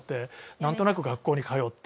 なんとなく学校に通って。